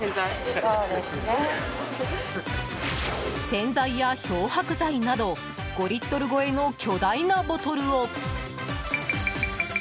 洗剤や漂白剤など５リットル超えの巨大なボトルを。